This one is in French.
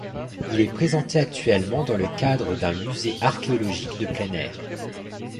Il est présenté actuellement dans le cadre d'un musée archéologique de plein-air.